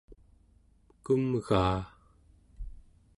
kumgaa